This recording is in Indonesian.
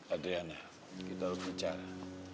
odriana kita harus bicara